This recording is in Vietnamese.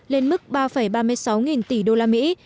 lên mức ba ba mươi sáu nghìn tỷ đô la mỹ